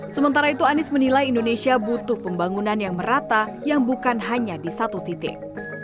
sementara itu anies menilai indonesia butuh pembangunan yang merata yang bukan hanya di satu titik